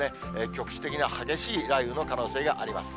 局地的な激しい雷雨の可能性があります。